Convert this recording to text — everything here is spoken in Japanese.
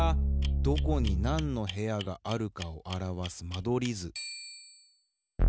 どこになんの部屋があるかをあらわす間取り図。